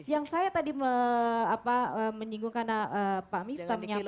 yang saya tadi menyinggungkan pak miftah menyampaikan bahwa ada hal yang hari ini didorong oleh kkp